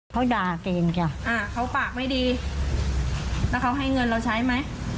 เขาด่าเกณฑ์จ้ะอ่าเขาปากไม่ดีแล้วเขาให้เงินเราใช้ไหม